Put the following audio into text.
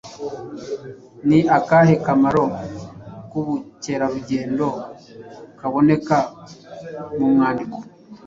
Ni akahe kamaro k’ubukerarugendo kaboneka mu mwandiko?